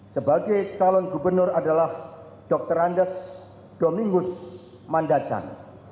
sebagai talon gubernur adalah dr andes domingus mandacan